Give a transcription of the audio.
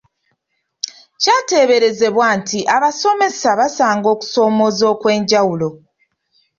Kyateeberezebwa nti abasomesa basanga okusoomooza okw’enjawulo.